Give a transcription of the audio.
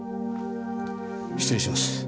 失礼します。